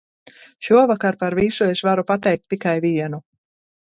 Šovakar par visu es varu pateikt tikai vienu!